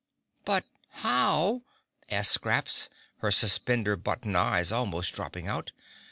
"But how?" asked Scraps, her suspender button eyes almost dropping out.